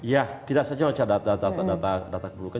ya tidak saja data data kependudukan